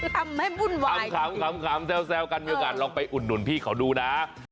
ทำให้วุ่นวายขำแซวกันมีโอกาสลองไปอุดหนุนพี่เขาดูนะ